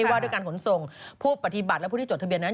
ว่าด้วยการขนส่งผู้ปฏิบัติและผู้ที่จดทะเบียนนั้น